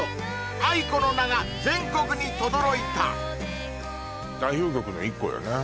ａｉｋｏの名が全国にとどろいた代表曲の一個よね